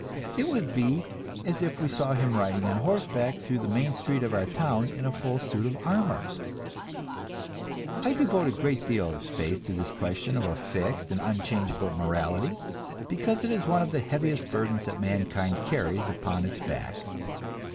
It would be as if we saw him riding on horseback through the main street of our town in a full suit of armor! I devote a good deal of space to this question of a fixed and unchangeable morality, because it is one of the heaviest burdens that mankind carries upon its back.